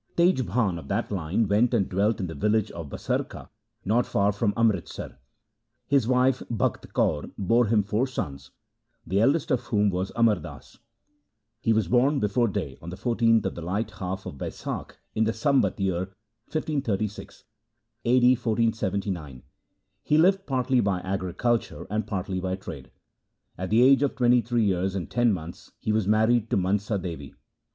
Tej Bhan of that line went and dwelt in the village of Basarka not far from Amritsar. His wife Bakht Kaur bore him four sons, the eldest of whom was Amar Das. He was born before day on the 14th of the light half of Baisakh in the Sambat year 1536 (a.d. 1479). He lived partly by agriculture and partly by trade. At the age of twenty three years and ten months he was married to Mansa Devi.